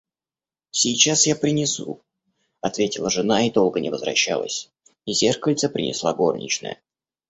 — Сейчас я принесу, — ответила жена и долго не возвращалась, и зеркальце принесла горничная.